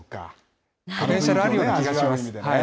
ポテンシャルあるような気がします。